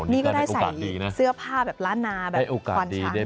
นี่ก็ได้ใส่เสื้อผ้าแบบล้านนาแบบควานช้าง